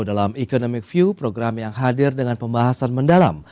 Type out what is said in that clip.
dalam economic view program yang hadir dengan pembahasan mendalam